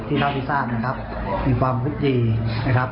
ที่เราที่ทราบนะครับเป็นความฤทธิ์ดีนะครับ